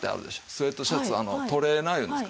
スウェットシャツトレーナー言うんですか？